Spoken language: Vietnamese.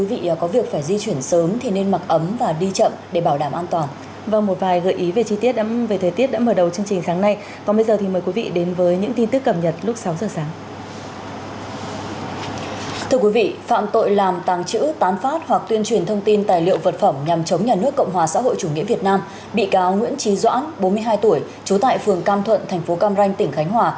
bị cáo nguyễn trí doãn bốn mươi hai tuổi trú tại phường cam thuận thành phố cam ranh tỉnh khánh hòa